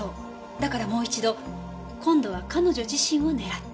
だからもう一度今度は彼女自身を狙った。